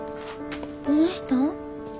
どないしたん？